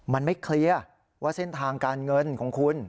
มันไม่เคลียร์ว่าเส้นทางการเงินของคุณ